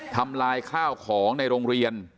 ทำลายข้าวของในโรงเรียน